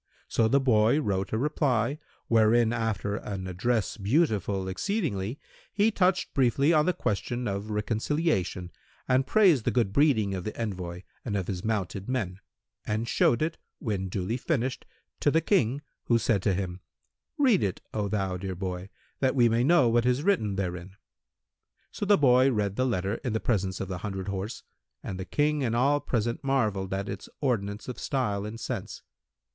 So the boy wrote a reply, wherein, after an address[FN#180] beautiful exceedingly, he touched briefly on the question of reconciliation and praised the good breeding of the envoy and of his mounted men, and showed it, when duly finished, to the King who said to him, "Read it, O thou dear boy, that we may know what is written[FN#181] therein." So the boy read the letter in the presence of the hundred horse, and the King and all present marvelled at its ordinance of style and sense.